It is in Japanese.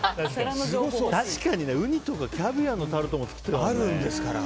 確かにウニとかキャビアのタルトも作ってたもんね。